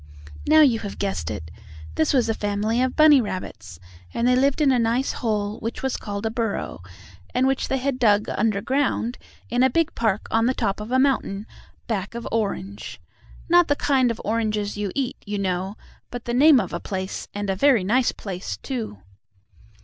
Now you have guessed it. This was a family of bunny rabbits, and they lived in a nice hole, which was called a burrow, and which they had dug under ground in a big park on the top of a mountain, back of Orange. Not the kind of oranges you eat, you know, but the name of a place, and a very nice place, too.